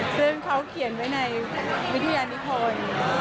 ซึ่งเขาเขียนไว้ในวิทยานิพล